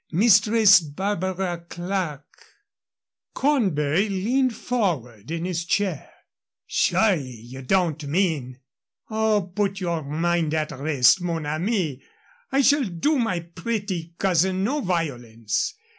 Mistress Barbara Clerke " Cornbury leaned forward in his chair. "Surely you don't mean " "Oh, put your mind at rest, mon ami. I shall do my pretty cousin no violence.